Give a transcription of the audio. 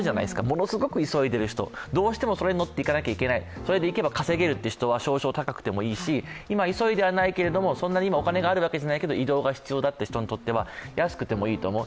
ものすごく急いでいる人、どうしてもそこに乗って行かなきゃいけない、それで行けば稼げる人は、少々高くてもいいし今、急いではないけれどもそんなにお金がないという人には安くていいという。